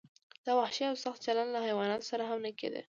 دا وحشي او سخت چلند له حیواناتو سره هم نه کیده.